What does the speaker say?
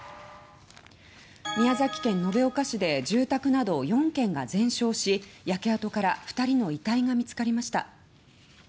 宮崎県延岡市で住宅など４件が全焼し焼け跡から２人の遺体が見つかりました。